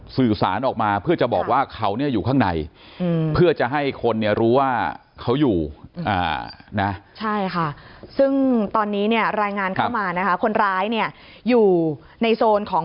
สื่อสารออกมาเพื่อจะบอกว่าเขาเนี่ยอยู่ข้างในเพื่อจะให้คนเนี่ยรู้ว่าเขาอยู่นะใช่ค่ะซึ่งตอนนี้เนี่ยรายงานเข้ามานะคะคนร้ายเนี่ยอยู่ในโซนของ